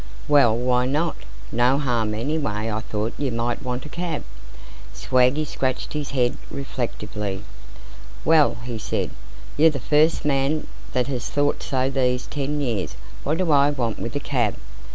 "Well, why not? No harm, anyway I thought you might want a cab." Swaggy scratched his head, reflectively. "Well," he said, "you're the first man that has thought so these ten years. What do I want with a cab?"